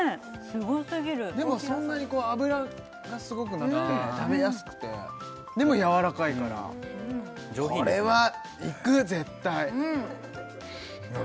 すごすぎるでもそんなに脂がすごくなくて食べやすくてでもやわらかいから上品ですね